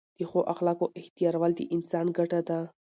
د ښو اخلاقو احتیارول د انسان ګټه ده.